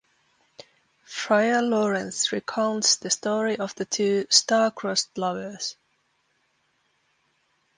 Friar Laurence recounts the story of the two "star-cross'd lovers".